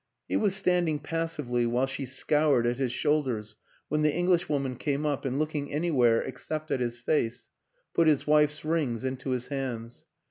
He was standing passively while she scoured at his shoul ders when the Englishwoman came up, and, look ing anywhere except at his face, put his wife's rings into his hands.